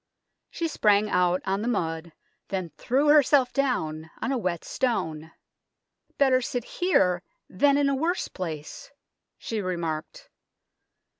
She sprang out on the mud, then threw herself down on a wet stone. " Better sit here than in a worse place," she remarked.